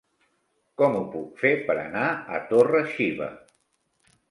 Com ho puc fer per anar a Torre-xiva?